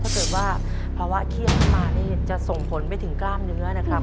ถ้าเกิดว่าภาวะเครียดขึ้นมานี่จะส่งผลไปถึงกล้ามเนื้อนะครับ